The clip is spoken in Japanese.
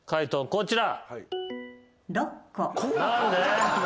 こちら。